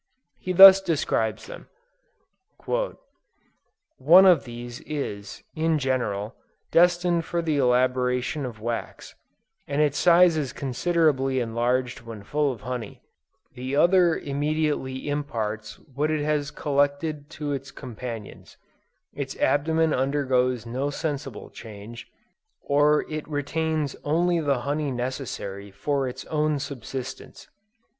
He thus describes them. "One of these is, in general, destined for the elaboration of wax, and its size is considerably enlarged when full of honey; the other immediately imparts what it has collected to its companions, its abdomen undergoes no sensible change, or it retains only the honey necessary for its own subsistence.